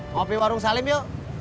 kopi warung salim yuk